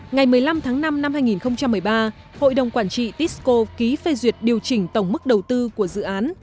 ngày một mươi năm tháng năm năm hai nghìn một mươi ba hội đồng quản trị tisco ký phê duyệt điều chỉnh tổng mức đầu tư của dự án